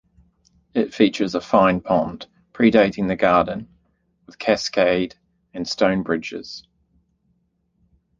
It features a fine pond predating the garden, with cascade and stone bridges.